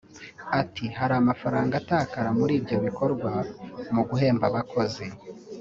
Ati “Hari amafaranga atakara muri ibyo bikorwa mu guhemba abakozi